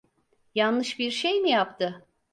Yanlış bir şey mi yaptı?